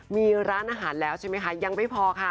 มีร้านอาหารแล้วใช่ไหมคะยังไม่พอค่ะ